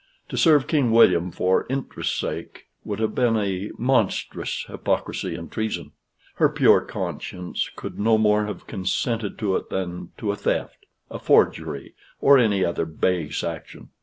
To serve King William for interest's sake would have been a monstrous hypocrisy and treason. Her pure conscience could no more have consented to it than to a theft, a forgery, or any other base action.